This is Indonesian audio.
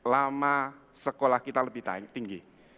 lama sekolah kita lebih tinggi